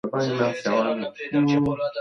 ته په کوم وخت کې باغ ته ځې؟